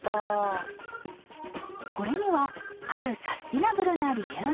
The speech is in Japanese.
［これにはあるサスティナブルな理由が］